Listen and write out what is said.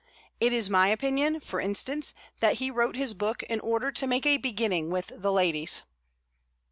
It is my opinion, for instance, that he wrote his book in order to make a beginning with the ladies.